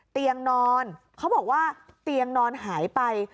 เตียงนอนเขาบอกว่าเตียงนอนหายไป